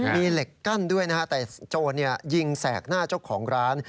มีเหล็กกั้นด้วยนะฮะแต่โจรยิงแสกหน้าเจ้าของร้าน